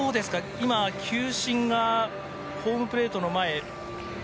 今、球審がホームプレートの前。